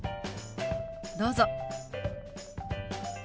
どうぞ。